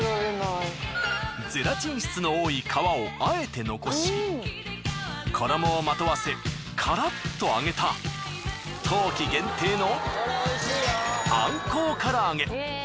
ゼラチン質の多い皮をあえて残し衣をまとわせカラッと揚げた冬季限定の。